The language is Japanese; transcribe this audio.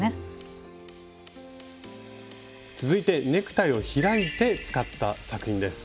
続いてネクタイを開いて使った作品です。